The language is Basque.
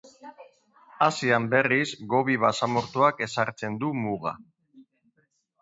Asian, berriz, Gobi basamortuak ezartzen du muga.